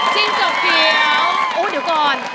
จิ้งเจ้าเขียวอู้วเดี๋ยวก่อน